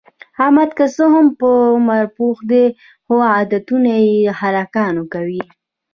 احمد که څه هم په عمر پوخ دی، خو عادتونه د هلکانو کوي.